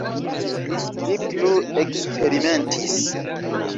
Li plu eksperimentis.